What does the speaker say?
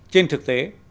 trên thực tế